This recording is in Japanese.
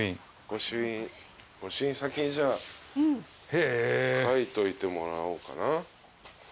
御朱印先にじゃあ書いといてもらおうかな。